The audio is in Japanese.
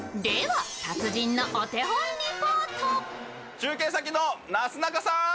中継先のなすなかさん。